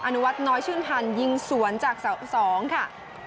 นุวัฒนน้อยชื่นพันธ์ยิงสวนจากเสา๒ค่ะ